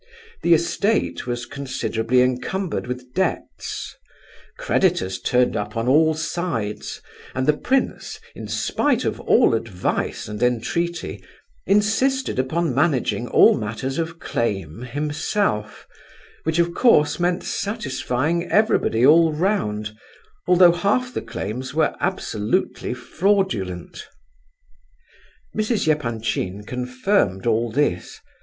The estate was considerably encumbered with debts; creditors turned up on all sides, and the prince, in spite of all advice and entreaty, insisted upon managing all matters of claim himself—which, of course, meant satisfying everybody all round, although half the claims were absolutely fraudulent. Mrs. Epanchin confirmed all this.